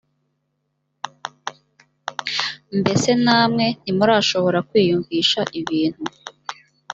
mbese namwe ntimurashobora kwiyumvisha ibintu